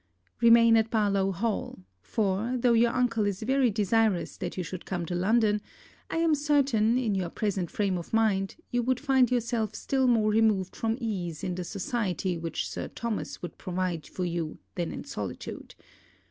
Remain at Barlowe Hall; for, though your uncle is very desirous that you should come to London, I am certain, in your present frame of mind, you would find yourself still more removed from ease in the society which Sir Thomas would provide for you than in solitude.